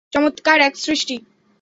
চমৎকার এক সৃষ্টি।